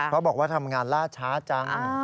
บอกว่าทำงานล่าช้าจัง